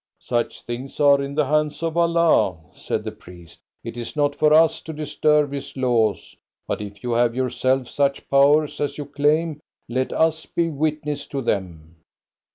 "Such things are in the hands of Allah," said the priest. "It is not for us to disturb His laws. But if you have yourself such powers as you claim, let us be witnesses to them."